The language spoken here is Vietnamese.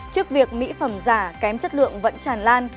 trước việc mỹ phẩm giả kém chất lượng vẫn tràn lan